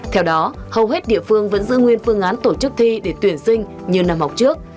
theo đó hầu hết địa phương vẫn giữ nguyên phương án tổ chức thi để tuyển sinh như năm học trước